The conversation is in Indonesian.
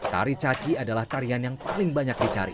tari caci adalah tarian yang paling banyak dicari